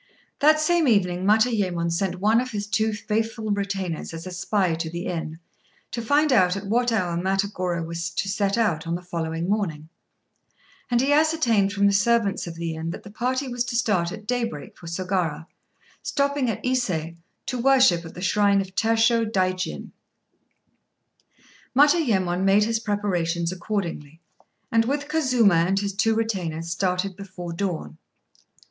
That same evening Matayémon sent one of his two faithful retainers as a spy to the inn, to find out at what hour Matagorô was to set out on the following morning; and he ascertained from the servants of the inn, that the party was to start at daybreak for Sagara, stopping at Isé to worship at the shrine of Tershô Daijin. [Footnote 19: Goddess of the sun, and ancestress of the Mikados.] Matayémon made his preparations accordingly, and, with Kazuma and his two retainers, started before dawn.